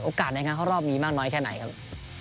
ในการเข้ารอบนี้มากน้อยแค่ไหนครับ